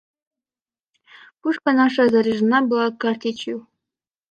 Пушка наша заряжена была картечью.